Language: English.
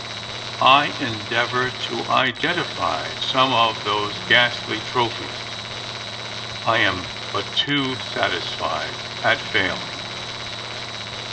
I endeavour to identify some of those ghastly trophies. I am but too satisfied at failing.